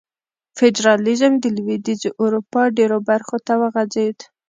فیوډالېزم د لوېدیځې اروپا ډېرو برخو ته وغځېد.